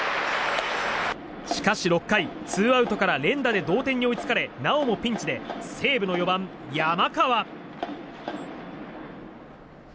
しかし６回ツーアウトから連打で同点に追いつかれなおもピンチで西武の４番、山川。